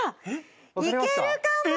いけるかも！